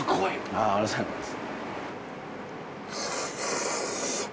ありがとうございます。